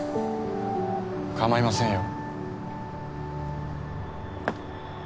かまいませんよ。